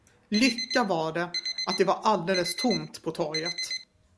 Lycka var det, att det var alldeles tomt på torget.